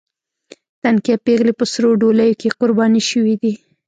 تنکۍ پېغلې په سرو ډولیو کې قرباني شوې دي.